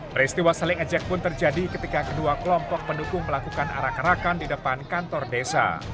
peristiwa saling ejek pun terjadi ketika kedua kelompok pendukung melakukan arah kerakan di depan kantor desa